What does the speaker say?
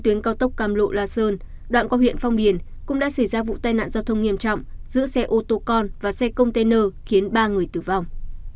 tuyến cao tốc cam lộ la sơn đoạn qua huyện phong điền cũng đã xảy ra vụ tai nạn giao thông nghiêm trọng giữa xe ô tô con và xe container khiến ba người tử vong